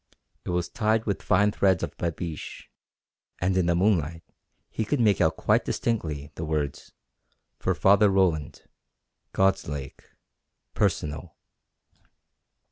It was tied with fine threads of babiche, and in the moonlight he could make out quite distinctly the words, "For Father Roland, God's Lake Personal."